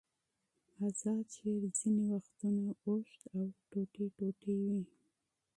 آزاد شعر ځینې وختونه اوږد او ټوټې ټوټې وي.